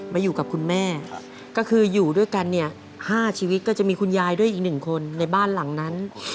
มาอยู่กับคุณแม่ก็คืออยู่ด้วยกันเนี่ย๕ชีวิตก็จะมีคุณยายด้วยอีกหนึ่งคนในบ้านหลังนั้น